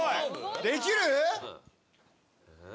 できる？